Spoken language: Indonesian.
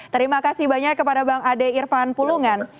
terima kasih banyak kepada bang ade irfan pulungan